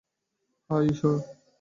হায়, ঈশ্বর!